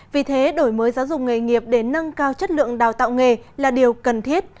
vì thế đổi mới giáo dục nghề nghiệp để nâng cao chất lượng đào tạo nghề là điều cần thiết